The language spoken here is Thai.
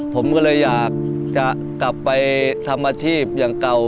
ผมก็เลยอยากจะกลับไปทำอาชีพอย่างเก่า